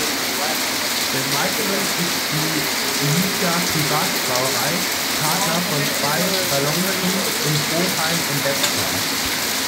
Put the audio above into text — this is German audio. Des Weiteren ist die Licher Privatbrauerei Partner von zwei Ballon-Teams in Pohlheim und Wetzlar.